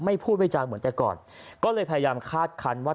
พูดไม่จางเหมือนแต่ก่อนก็เลยพยายามคาดคันว่า